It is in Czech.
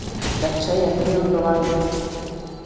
Ve hře je milion dolarů.